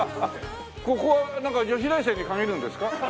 ここはなんか女子大生に限るんですか？